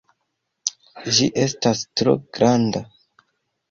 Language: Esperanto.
Ĝi estas tro granda!